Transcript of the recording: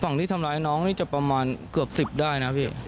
ที่ทำร้ายน้องนี่จะประมาณเกือบ๑๐ได้นะพี่